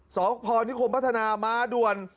สพนิคมพัฒนามาด่วน